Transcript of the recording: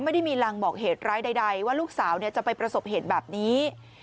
ไม่ได้มีรังบอกเหตุร้ายใดว่าลูกสาวจะไปประสบเหตุแบบนี้